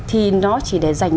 thì nó chỉ để dành